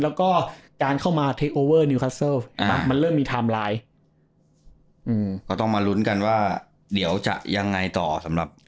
แล้วก็การเข้ามามันเริ่มมีอืมก็ต้องมาลุ้นกันว่าเดี๋ยวจะยังไงต่อสำหรับ